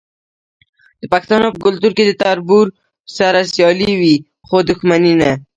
د پښتنو په کلتور کې د تربور سره سیالي وي خو دښمني نه.